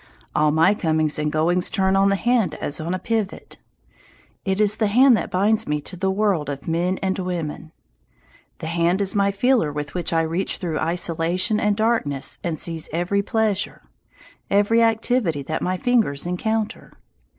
All my comings and goings turn on the hand as on a pivot. It is the hand that binds me to the world of men and women. The hand is my feeler with which I reach through isolation and darkness and seize every pleasure, every activity that my fingers encounter.